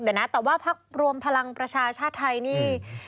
เดี๋ยวนะแต่ว่าพักรวมพลังประชาชาติไทยนี่